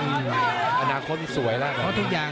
อนาคตนั้นมันสวยแล้ว